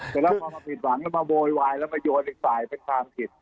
แต่เรามาผิดหวังแล้วมาโบวายแล้วมาโยนอีกฝ่ายเป็นความผิด